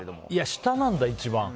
下なんだ、一番。